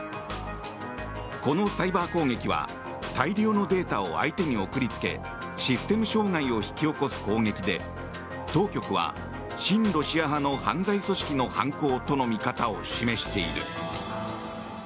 このサイバー攻撃は大量のデータを相手に送りつけシステム障害を引き起こす攻撃で当局は親ロシア派の犯罪組織の犯行との見方を示している。